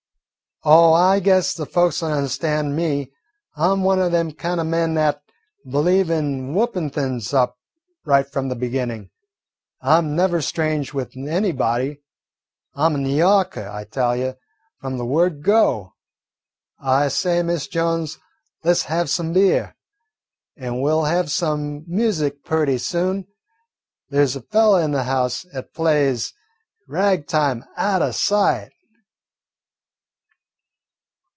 "Oh, I guess the folks understan' me. I 'm one o' them kin' o' men 'at believe in whooping things up right from the beginning. I 'm never strange with anybody. I 'm a N' Yawker, I tell you, from the word go. I say, Mis' Jones, let 's have some beer, an' we 'll have some music purty soon. There 's a fellah in the house 'at plays 'Rag time' out o' sight."